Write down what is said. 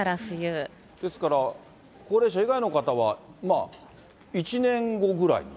ですから、高齢者以外の方は、１年後ぐらい？